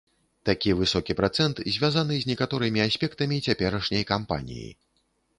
Такі высокі працэнт звязны з некаторымі аспектамі цяперашняй кампаніі.